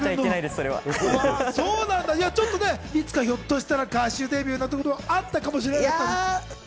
いつかひょっとしたら歌手デビューなんてことがあったりして。